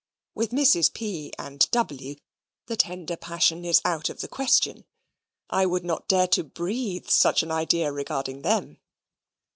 With Misses P. and W. the tender passion is out of the question: I would not dare to breathe such an idea regarding them.